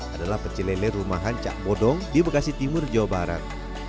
adalah pecelele rumahan cak bodong di bekasi timur jawa barat